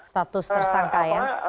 status tersangka ya